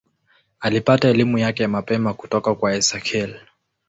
Alipata elimu yake ya mapema kutoka kwa Esakhel.